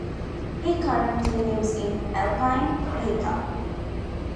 He currently lives in Alpine, Utah.